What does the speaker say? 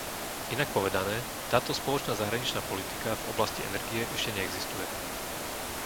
Inak povedané, táto spoločná zahraničná politika v oblasti energie ešte neexistuje.